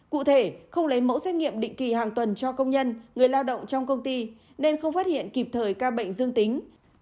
cụ thể không lấy mẫu xét nghiệm định kỳ hàng tuần cho công nhân người lao động trong công ty nên không phát hiện kịp thời ca bệnh dương tính